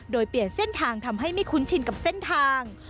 โดยเปลี่ยนเส้นทางทำให้ไม่คุ้นชินกับเส้นทาง